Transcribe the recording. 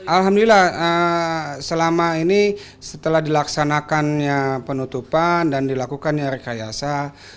alhamdulillah selama ini setelah dilaksanakannya penutupan dan dilakukannya rekayasa